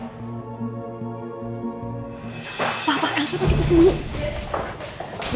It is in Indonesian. papa elsa lagi kesini